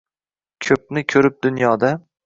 Ko’pni ko’rib dunyoda